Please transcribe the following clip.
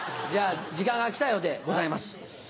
じゃあ時間が来たようでございます。